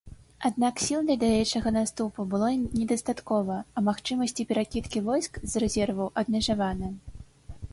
Аднак сіл для далейшага наступу было недастаткова, а магчымасці перакідкі войск з рэзерву абмежаваны.